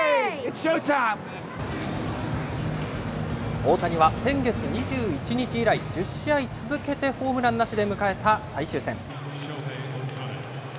大谷は先月２１日以来、１０試合続けてホームランなしで迎えた最終戦。